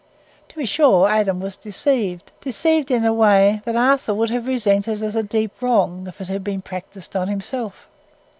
To be sure, Adam was deceived—deceived in a way that Arthur would have resented as a deep wrong if it had been practised on himself.